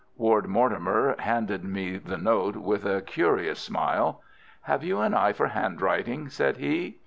Ward Mortimer handed me the note, with a curious smile. "Have you an eye for handwriting?" said he.